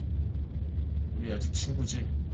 우리 아직 친구지?